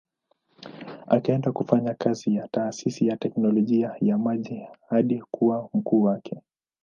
Akaendelea kufanya kazi ya taasisi ya teknolojia ya maji hadi kuwa mkuu wake.